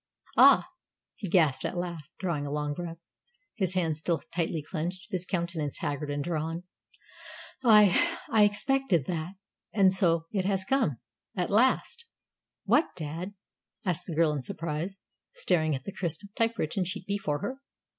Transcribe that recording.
"Ah!" he gasped at last, drawing a long breath, his hands still tightly clenched, his countenance haggard and drawn. "I I expected that. And so it has come at last!" "What, dad?" asked the girl in surprise, staring at the crisp typewritten sheet before her.